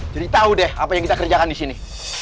jadi tahu deh apa yang kita kerjakan di sini